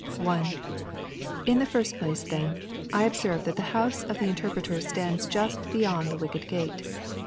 1. In the first place, then, I observe that the House of the Interpreter stands just beyond the Wicket Gate.